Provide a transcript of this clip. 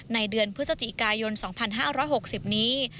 ในเดือนพฤศจิกายน๒๕๖๐นี้